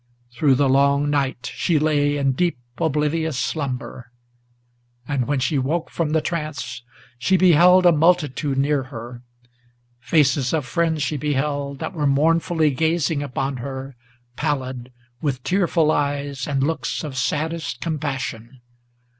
Through the long night she lay in deep, oblivious slumber; And when she woke from the trance, she beheld a multitude near her. Faces of friends she beheld, that were mournfully gazing upon her, Pallid, with tearful eyes, and looks of saddest compassion.